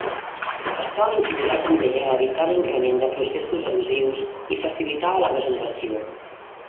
Açò incidirà també a evitar l'increment de processos erosius i facilitar la regeneració.